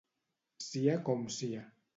Sia com sia.